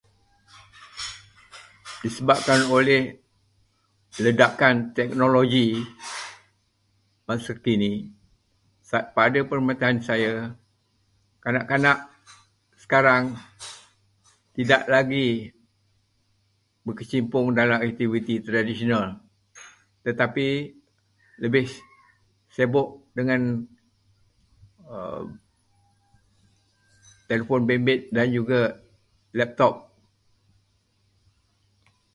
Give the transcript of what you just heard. Disebabkan oleh ledakan teknologi masa kini, pada pemerhatian saya, kanak-kanak sekarang tidak lagi berkecimpung dalam aktiviti-aktiviti tradisional, tetapi lebih sibuk dengan telefon bimbit dan juga laptop.